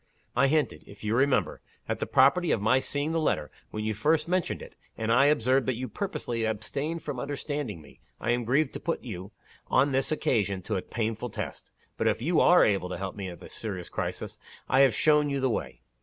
"I hinted if you remember at the propriety of my seeing the letter, when you first mentioned it, and I observed that you purposely abstained from understanding me, I am grieved to put you, on this occasion, to a painful test. But if you are to help me at this serious crisis, I have shown you the way."